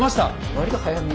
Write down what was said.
割と早めに。